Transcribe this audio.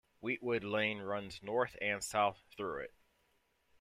Weetwood Lane runs north and south through it.